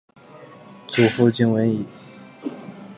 祖父靳文昺。